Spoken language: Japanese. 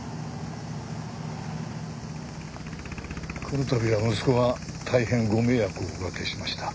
この度は息子が大変ご迷惑をおかけしました。